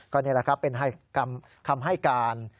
ก็นี่แหละครับเป็นคำให้การ